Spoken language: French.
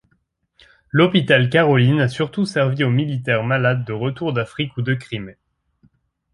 L'hôpital Caroline a surtout servi aux militaires malades de retour d'Afrique ou de Crimée.